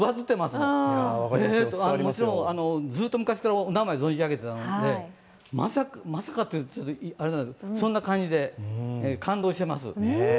もちろんずっと昔からお名前を存じあげていたのでまさかというとあれなんですけどそんな感じで感動してます。